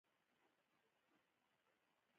سمندر هم د اسرائیلو د سمندري ځواکونو لخوا کنټرولېږي.